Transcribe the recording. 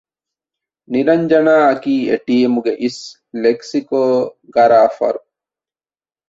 ނިރަންޖަނާ އަކީ އެޓީމުގެ އިސް ލެކްސިކޯގަރާފަރު